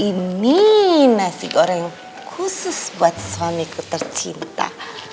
ini nasi goreng khusus buat suamiku tercinta